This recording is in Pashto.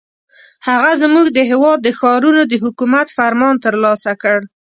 هغه زموږ د هېواد د ښارونو د حکومت فرمان ترلاسه کړ.